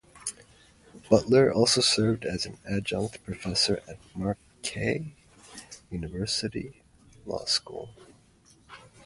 Butler also served as an adjunct professor at Marquette University Law School.